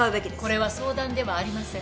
これは相談ではありません。